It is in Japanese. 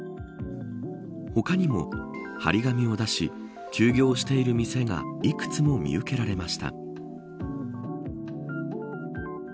他にも、張り紙を出し休業している店が幾つも見受けられました。